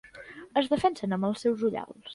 Es defensen amb els seus ullals.